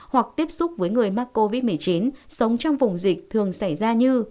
hoặc tiếp xúc với người mắc covid một mươi chín sống trong vùng dịch thường xảy ra như